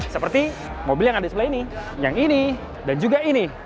seperti mobil yang ada di sebelah ini yang ini dan juga ini